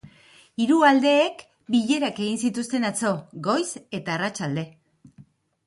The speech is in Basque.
Hiru aldeek bilerak egin zituzten atzo, goiz eta arratsalde.